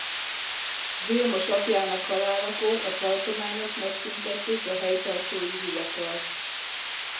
Vilmos apjának halálakor a tartományok megszüntették a helytartói hivatalt.